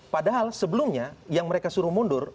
padahal sebelumnya yang mereka suruh mundur